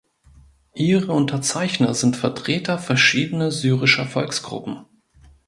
Ihre Unterzeichner sind Vertreter verschiedener syrischer Volksgruppen.